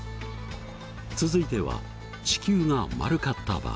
続いては地球が丸かった場合。